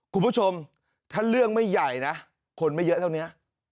คุณผู้ชมถ้าเรื่องไม่ใหญ่นะคนไม่เยอะเท่านี้